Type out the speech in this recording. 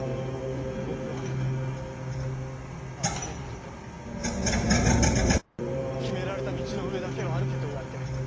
僕はあの家にいる頃。決められた道の上だけを歩けと言われて。